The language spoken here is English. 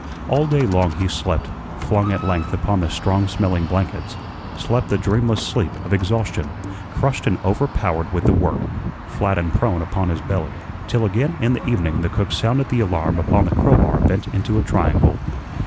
All day long he slept, flung at length upon the strong smelling blankets slept the dreamless sleep of exhaustion, crushed and overpowered with the work, flat and prone upon his belly, till again in the evening the cook sounded the alarm upon the crowbar bent into a triangle.